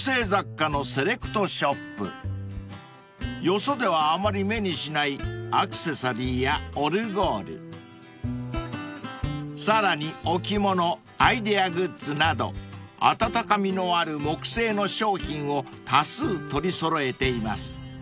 ［よそではあまり目にしないアクセサリーやオルゴールさらに置物アイデアグッズなど温かみのある木製の商品を多数取り揃えています］